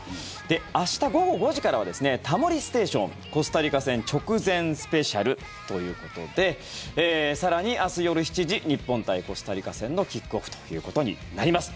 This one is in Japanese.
明日午後５時からは「タモリステーション」コスタリカ戦直前スペシャルということで更に、明日夜７時日本対コスタリカ戦のキックオフということになります。